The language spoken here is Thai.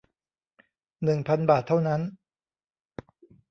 หนึ่งพัน บาทเท่านั้น